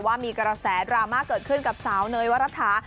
ว่ามีกระแสดราม่าเกิดขึ้นกับสาวเนยวรัฐา